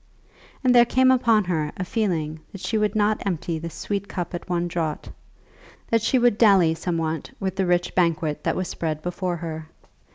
And there came upon her a feeling that she would not empty this sweet cup at one draught, that she would dally somewhat with the rich banquet that was spread for her.